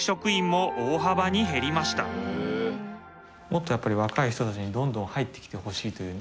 もっと若い人たちにどんどん入ってきてほしいという。